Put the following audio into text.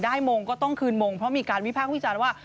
มงก็ต้องคืนมงเพราะมีการวิพากษ์วิจารณ์ว่า